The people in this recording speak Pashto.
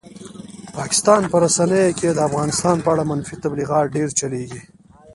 پاکستان په رسنیو کې د افغانستان په اړه منفي تبلیغات ډېر چلېږي.